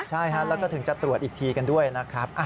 ใช่แล้วก็ถึงจะตรวจอีกทีกันด้วยนะครับ